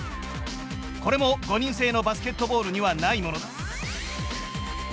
これも５人制のバスケットボールにはないものだ。